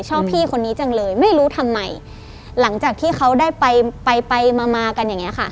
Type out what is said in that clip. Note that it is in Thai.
พี่คนนี้จังเลยไม่รู้ทำไมหลังจากที่เขาได้ไปไปมามากันอย่างเงี้ค่ะ